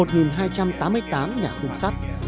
một hai trăm tám mươi tám nhà khung sắt